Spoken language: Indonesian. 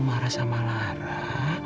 marah sama lara